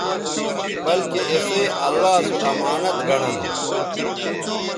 بلکہ اِسئ اللہ سو امانت گنڑہ نو